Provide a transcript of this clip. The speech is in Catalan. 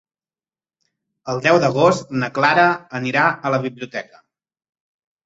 El deu d'agost na Clara anirà a la biblioteca.